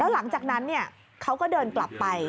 หลังจากนั้นเขาก็เดินกลับไป